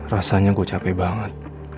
rasanya gue capek banget